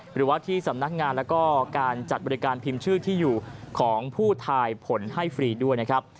หรือว่าที่สำนักงานแล้วก็การจัดบริการพิมพ์ชื่อที่อยู่ของผู้ทายผลให้ฟรีด้วยนะครับ